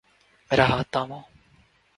میرا ہاتھ تھامو